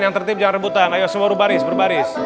yang tertib jangan rebutan ayo seluruh baris berbaris